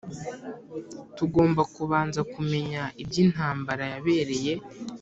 Tugomba kubanza kumenya iby intambara yabereye